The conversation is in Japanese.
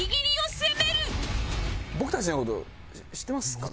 僕たちの事知ってますかね？